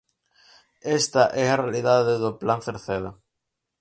Esta é a realidade do Plan Cerceda.